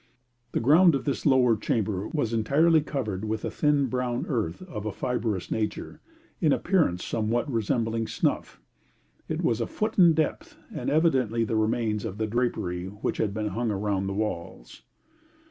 The ground of this lower chamber was entirely covered with a thin brown earth of a fibrous nature, in appearance somewhat resembling snuff; it was a foot in depth, and evidently the remains of the drapery which had been hung around the walls.